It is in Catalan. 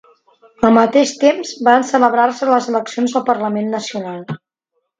Al mateix temps van celebrar-se les eleccions al parlament nacional.